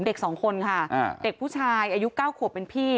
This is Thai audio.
เด็กสองคนค่ะเด็กผู้ชายอายุ๙ขวบเป็นพี่